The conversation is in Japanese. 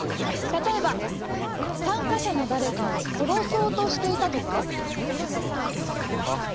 例えば参加者の誰かを殺そうとしていたとか？は？